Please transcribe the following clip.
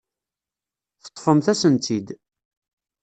Teṭṭfemt-asen-tt-id.